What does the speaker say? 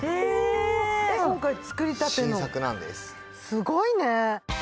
すごいね！